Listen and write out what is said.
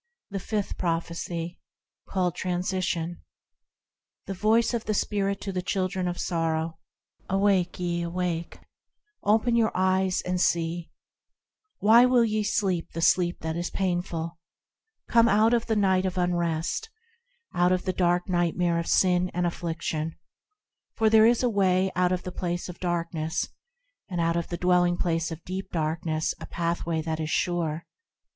The Fifth Prophecy, called Transition THE Voice of the Spirit to the children of sorrow,– Arise ye ! Awake ! Open your eyes, and see ! Why will ye sleep the sleep that is painful ? Come out of the night of unrest, Out of the dark nightmare of sin and affliction ! For there is a Way out of the place of darkness, And out of the dwelling place of deep darkness a Pathway that is sure.